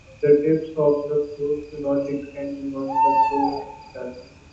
The tips of the floats do not extend beyond the prow and stern.